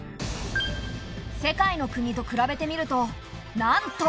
世界の国と比べてみるとなんと！